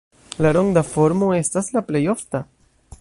La ronda formo estas la plej ofta.